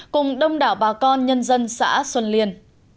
cùng đông đảo bà con nhân dân xã xuân liên